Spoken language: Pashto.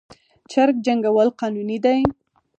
چرګ جنګول قانوني دي؟